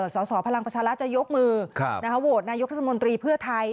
สสพลังประชารัฐจะยกมือโหวตนายกรัฐมนตรีเพื่อไทย